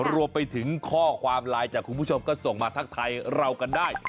รวมไปถึงข้อความไลน์จากคุณผู้ชมก็ส่งมาทักทายเรากันได้